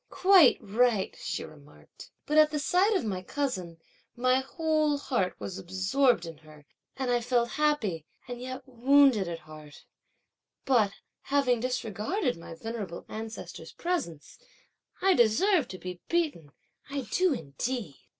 "Quite right," she remarked. "But at the sight of my cousin, my whole heart was absorbed in her, and I felt happy, and yet wounded at heart: but having disregarded my venerable ancestor's presence, I deserve to be beaten, I do indeed!"